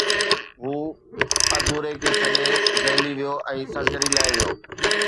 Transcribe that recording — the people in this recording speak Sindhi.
هو اڍوري کي ڇڏي دهلي ويو ۽ سرجري لاءِ ويو